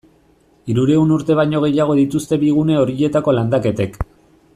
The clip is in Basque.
Hirurehun urte baino gehiago dituzte bi gune horietako landaketek.